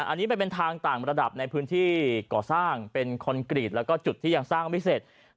อันนี้มันเป็นทางต่างระดับในพื้นที่ก่อสร้างเป็นคอนกรีตแล้วก็จุดที่ยังสร้างไม่เสร็จ